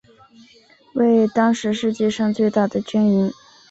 为当时世界上最大的军营。